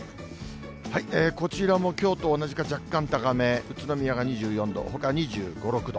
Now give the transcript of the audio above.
こちらもきょうと同じか若干高め、宇都宮が２４度、ほか２５、６度。